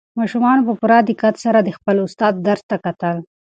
ماشومانو په پوره دقت سره د خپل استاد درس ته کتل.